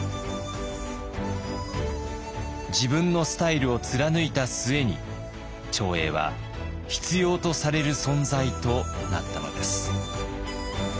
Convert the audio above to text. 自分のスタイルを貫いた末に長英は必要とされる存在となったのです。